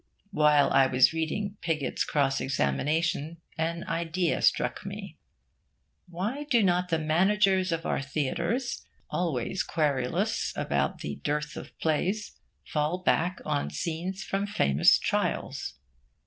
While I was reading Pigott's cross examination, an idea struck me; why do not the managers of our theatres, always querulous about the dearth of plays, fall back on scenes from famous trials?